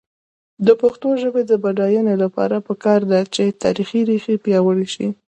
د پښتو ژبې د بډاینې لپاره پکار ده چې تاریخي ریښې پیاوړې شي.